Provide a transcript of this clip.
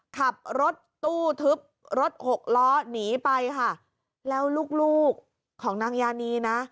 ขับรถตู้ทึบรถหกล้อหนีไปค่ะแล้วลูกลูกของนางยานีนะ